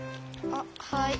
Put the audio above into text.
あっはい。